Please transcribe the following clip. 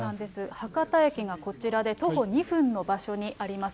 博多駅がこちらで、徒歩２分の場所になります。